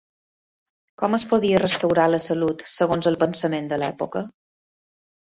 Com es podia restaurar la salut segons el pensament de l'època?